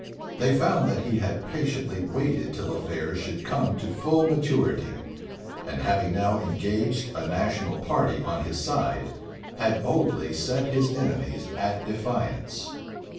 They found that he had patiently waited till affairs should come to full maturity; and having now engaged a national party on his side, had boldly set his enemies at defiance.